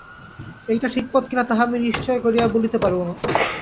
এইটি ঠিক পথ কিনা, তাহা আমি নিশ্চয় করিয়া বলিতে পারিব না।